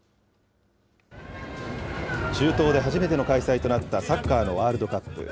中東で初めての開催となったサッカーのワールドカップ。